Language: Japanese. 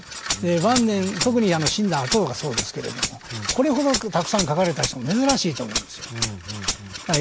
晩年特に死んだあとがそうですけれどもこれほど多くたくさん描かれた人も珍しいと思うんですよね。